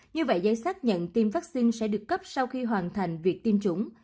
như vậy giấy xác nhận tiêm vaccine sẽ được cấp sau khi hoàn thành việc tiêm chủng